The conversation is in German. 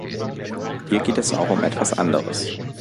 Hier geht es auch um etwas anderes.